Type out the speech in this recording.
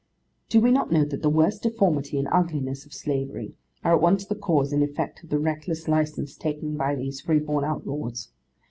Do we not know that the worst deformity and ugliness of slavery are at once the cause and the effect of the reckless license taken by these freeborn outlaws?